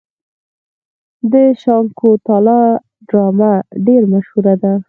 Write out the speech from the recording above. د شاکونتالا ډرامه ډیره مشهوره ده.